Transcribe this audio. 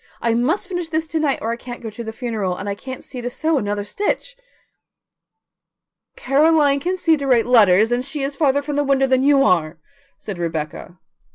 I must finish this to night or I can't go to the funeral, and I can't see to sew another stitch." "Caroline can see to write letters, and she is farther from the window than you are," said Rebecca.